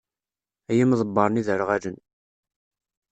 Ay imḍebbren iderɣalen!